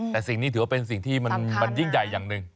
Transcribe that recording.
แต่สิ่งนี้ถือว่าเป็นสิ่งที่มันยิ่งใหญ่อย่างหนึ่ง